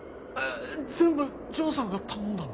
全部丈さんが頼んだの？